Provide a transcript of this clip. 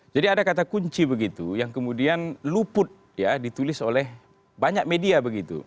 jadi ada kata kunci begitu yang kemudian luput ya ditulis oleh banyak media begitu